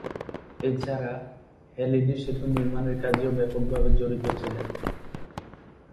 এছাড়া, হ্যালিডি সেতু নির্মাণের কাজেও ব্যাপকভাবে জড়িত ছিলেন।